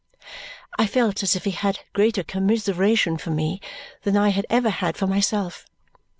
I felt as if he had greater commiseration for me than I had ever had for myself.